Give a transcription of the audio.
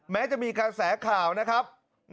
แม้จะมีแสดงค่าวนะครับ